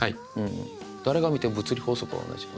誰が見ても物理法則は同じ。